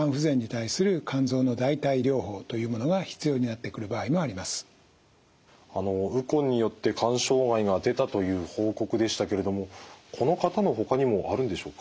そのような場合はウコンによって肝障害が出たという報告でしたけれどもこの方のほかにもあるんでしょうか？